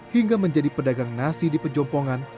hingga menjadi pedagang nasi di pejompongan